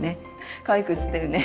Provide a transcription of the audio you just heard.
かわいく写ってるね！